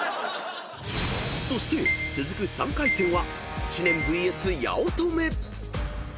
［そして続く３回戦は知念ＶＳ八乙女］